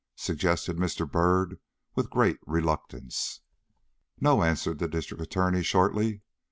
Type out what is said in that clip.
suggested Mr. Byrd with great reluctance. "No," answered the District Attorney, shortly.